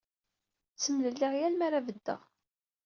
Ttemlelliɣ yal m ara beddeɣ.